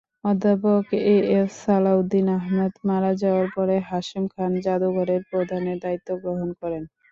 অধ্যাপক A F Salahuddin Ahmed মারা যাওয়ার পরে হাশেম খান জাদুঘরের প্রধানের দায়িত্ব গ্রহণ করেন।